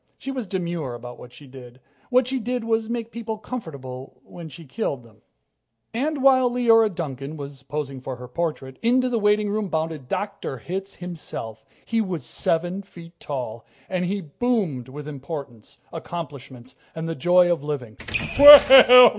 She was demure about what she did. What she did was make people comfortable while she killed them. And, while Leora Duncan was posing for her portrait, into the waitingroom bounded Dr. Hitz himself. He was seven feet tall, and he boomed with importance, accomplishments, and the joy of living.